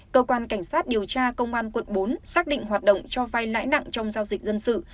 cơ quan cảnh sát điều tra công an quận bốn xác định hoạt động cho vai lãi nặng trong giao dịch dân sự